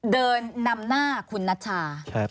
เดินนำหน้าคุณนัชชา